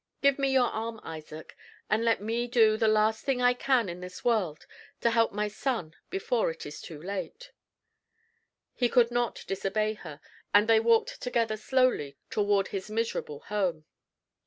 Give me your arm, Isaac, and let me do the last thing I can in this world to help my son before it is too late." He could not disobey her, and they walked together slowly toward his miserable home.